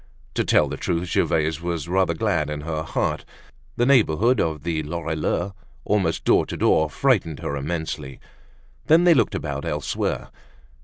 To tell the truth, Gervaise was rather glad in her heart; the neighborhood of the Lorilleux almost door to door, frightened her immensely. Then, they looked about elsewhere.